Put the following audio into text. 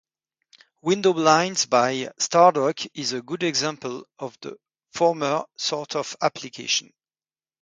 WindowBlinds by StarDock is a good example of the former sort of application.